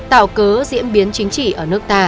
tạo cớ diễn biến chính trị ở nước ta